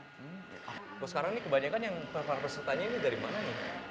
kalau sekarang ini kebanyakan yang para pesertanya ini dari mana nih